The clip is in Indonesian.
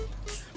gak ada dok